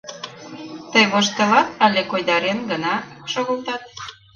— Тый воштылат але койдарен гына шогылтат?